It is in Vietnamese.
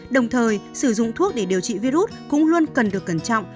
đồng thời sử dụng thuốc để điều trị virus cũng luôn cần được cẩn trọng